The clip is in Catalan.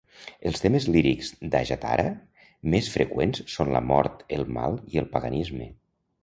Els temes lírics d'"Ajattara" més freqüents són la mort, el mal i el paganisme.